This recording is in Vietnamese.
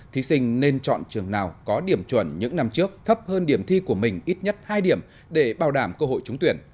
thí sinh nên chọn trường nào có điểm chuẩn những năm trước thấp hơn điểm thi của mình ít nhất hai điểm để bảo đảm cơ hội trúng tuyển